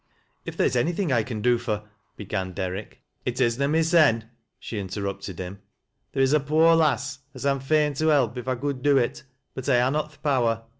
" If there is anything I can do for —" began Der rick. " LIZ. " 25 " It is na mysen," she interrupted him. " There is a poor lass as I'm fain to help, if I could do it, but I ha' not til' power.